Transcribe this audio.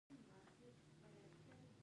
سوداګري وکړئ